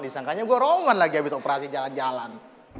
disangkanya gue roman lagi abis operasi jalan jalan